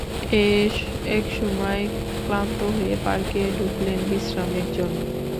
একসময় ক্লান্ত হয়ে পার্কে ঢুকলেন বিশ্রামের জন্যে।